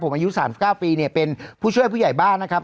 ผมอายุ๓๙ปีเนี่ยเป็นผู้ช่วยผู้ใหญ่บ้านนะครับ